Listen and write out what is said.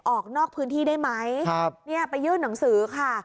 ออกนอกพื้นที่ได้ไหมไปยื่นหนังสือค่ะ